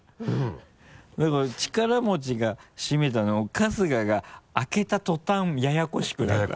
力持ちが閉めたのを春日が開けた途端ややこしくなるから。